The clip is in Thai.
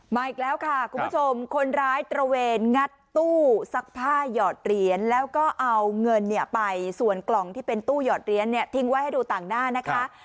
มาอีกแล้วค่ะคุณผู้ชมคนร้ายตระเวนงัดตู้ซักผ้าหยอดเหรียญแล้วก็เอาเงินเนี่ยไปส่วนกล่องที่เป็นตู้หยอดเหรียญเนี่ยทิ้งไว้ให้ดูต่างหน้านะคะ